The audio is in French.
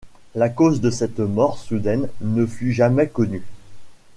La cause de cette mort soudaine ne fut jamais connue.